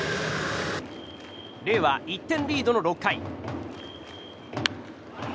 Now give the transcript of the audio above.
レイは、１点リードの６回。